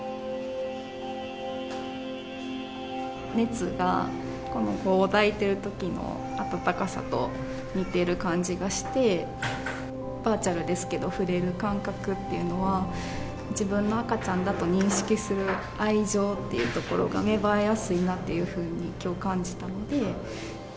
熱が、この子を抱いてるときの温かさと似てる感じがして、バーチャルですけど、触れる感覚っていうのは、自分の赤ちゃんだと認識する愛情っていうところが芽生えやすいなっていうふうに、きょう感じたので。